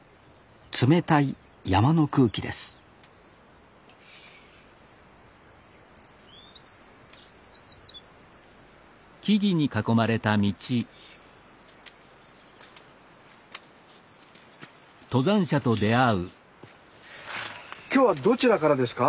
冷たい山の空気です今日はどちらからですか？